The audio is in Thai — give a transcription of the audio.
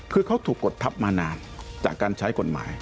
คือเขาถูกกดทับมานานจากการใช้กฎหมาย